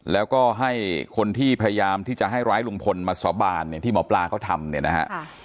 แล้วก็ให้คนที่พยายามที่จะให้ร้ายลุงพลมาสาบานเนี่ยที่หมอปลาเขาทำเนี่ยนะฮะ